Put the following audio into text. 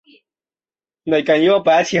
玛丽郡主后来嫁予罗马尼亚王储斐迪南。